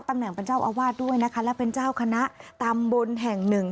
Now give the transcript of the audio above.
ตำแหน่งเป็นเจ้าอาวาสด้วยนะคะและเป็นเจ้าคณะตำบลแห่งหนึ่ง